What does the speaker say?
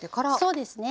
そうですね。